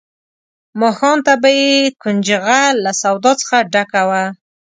ماښام ته به یې کنجغه له سودا څخه ډکه وه.